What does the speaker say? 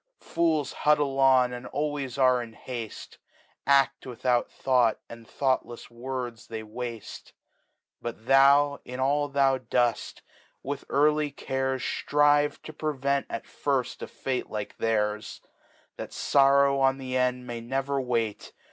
Fools huddfeon and always are in hafle, Adt without Thought, and thoughtlefs Words they wafte But thou, in all thou dpft, with early Cares Strive to prevent at firft a Fate like theirs; That Sorrow on the End ma^ never wait.